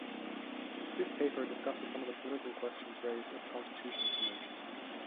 This paper discusses some of the political questions raised at the constitutional convention.